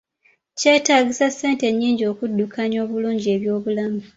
Kyetaagisa ssente nnyingi okuddukanya obulungi eby'obulamu.